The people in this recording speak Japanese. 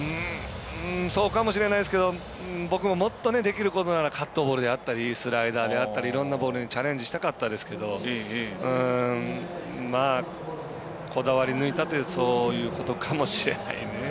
そうかもしれないですけど僕も、もっとできることならカットボールであったりスライダーであったりいろんなボールにチャレンジしたかったですけどこだわりぬいたというそういうことかもしれないね。